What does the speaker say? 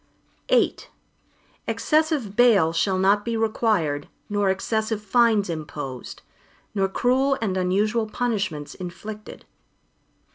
VIII Excessive bail shall not be required nor excessive fines imposed, nor cruel and unusual punishments inflicted.